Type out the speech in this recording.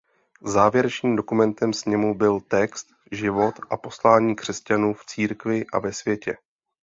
Závěrečným dokumentem sněmu byl text "Život a poslání křesťanů v církvi a ve světě".